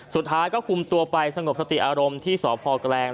สุดท้ายก็คุมตัวไปสงบสติอารมณ์ที่สพแกลง